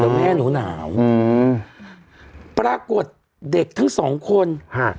แล้วแม่หนูหนาวอืมปรากฏเด็กทั้งสองคนฮะ